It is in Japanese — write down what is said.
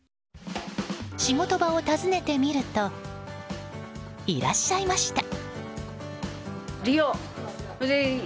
仕事場を訪ねてみるといらっしゃいました。